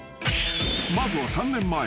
［まずは３年前］